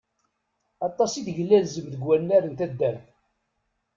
Aṭas i teglalzem deg wannar n taddart.